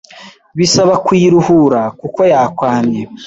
Bisaba kuyiruhura kuko yakwamye